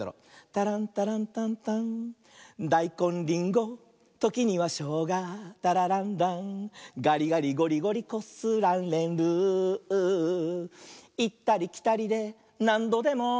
「タランタランタンタン」「だいこんりんごときにはしょうがタラランラン」「がりがりごりごりこすられる」「いったりきたりでなんどでも」